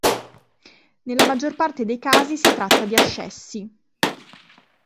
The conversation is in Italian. Nella maggior parte dei casi si tratta di ascessi.